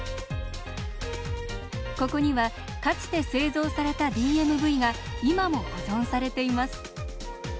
ここにはかつて製造されたＤＭＶが今も保存されています。